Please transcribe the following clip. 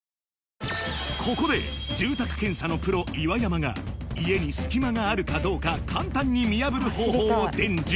ここで住宅検査のプロ岩山が家に隙間があるかどうか簡単に見破る方法を伝授